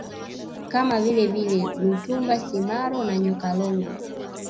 kama vilevile Lutumba Simaro na Nyoka Longo